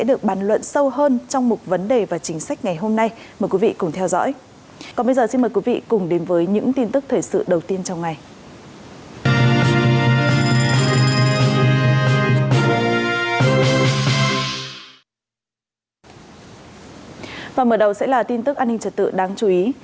và mở đầu sẽ là tin tức an ninh trật tự đáng chú ý